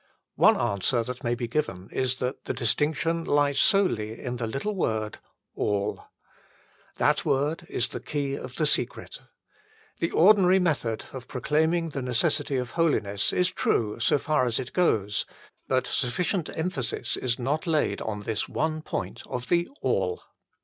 One answer that may be given is that the distinction lies solely in the little word, all. That word is the key of the secret. The ordinary method of proclaiming the necessity of holiness is true so far as it 166 HOW EVERYTHING MUST BE GIVEN UP 167 goes ; but sufficient emphasis is not laid on this one point of the " All."